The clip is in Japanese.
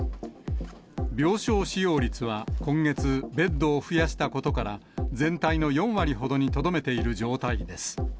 病床使用率は今月、ベッドを増やしたことから、全体の４割ほどにとどめている状態です。